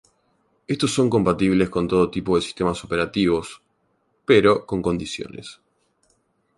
Estos son compatibles con todo tipo de sistemas operativos, pero con condiciones.